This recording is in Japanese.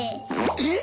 えっ！